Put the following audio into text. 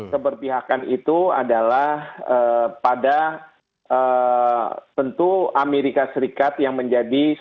keberpihakan itu adalah pada tentu amerika serikat yang menjadi